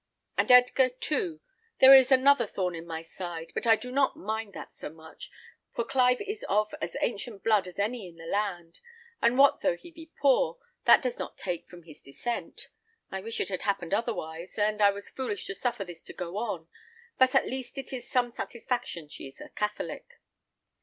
And Edgar, too: there is another thorn in my side; but I do not mind that so much, for Clive is of as ancient blood as any in the land, and what though he be poor, that does not take from his descent. I wish it had happened otherwise; and I was foolish to suffer this to go on, but at least it is some satisfaction she is a Catholic.